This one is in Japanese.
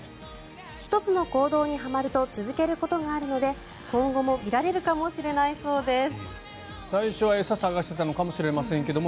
１つの行動にはまると続けることがあるので今後も見られるかもしれないそうです。